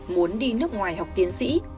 muốn đi nước ngoài học tiến sĩ